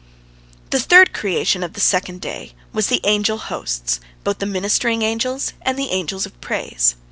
The third creation of the second day was the angel hosts, both the ministering angels and the angels of praise.